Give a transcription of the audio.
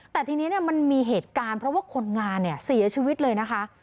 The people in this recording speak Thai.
แต่ทีนี้มันมีเหตุการณ์เพราะว่าคนงานเนี่ยเสียชีวิตเลยนะคะ